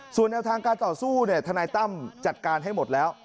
ส่วนแนวทางการต่อสู้ทนายตั้มจัดการให้หมดแล้ว